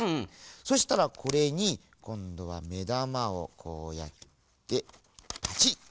そしたらこれにこんどはめだまをこうやってパチリ。